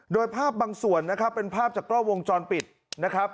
โดยภาพบางส่วนนะครับเป็นภาพจากกล้องวงจรปิดนะครับ